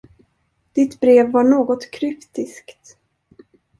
Ditt brev var något kryptiskt.